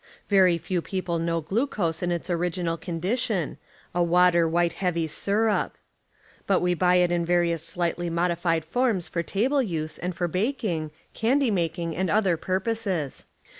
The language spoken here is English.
Very few j^eople know glucose in its original condition — a water white heav}' sirup; but we buy it in various slightly modified forms for table use and for baking, candy making and other purposes.